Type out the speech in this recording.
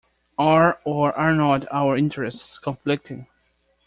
Are or are not our interests conflicting?